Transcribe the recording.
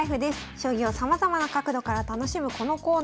将棋をさまざまな角度から楽しむこのコーナー。